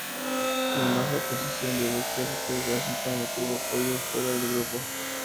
Además, la oposición de Booker T. Washington obtuvo apoyo fuera del grupo.